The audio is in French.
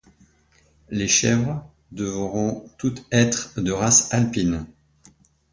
Les chèvres devront toutes être de race alpine.